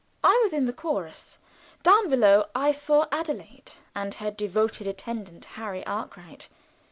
I was in the chorus. Down below I saw Adelaide and her devoted attendant, Harry Arkwright.